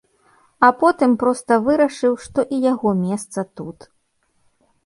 А потым проста вырашыў, што і яго месца тут.